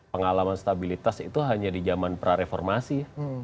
pengalaman stabilitas itu hanya di zaman prareformasi